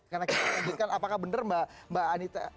karena kita menjelaskan apakah benar mbak anitta